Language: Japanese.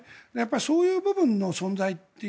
そういう部分の存在という。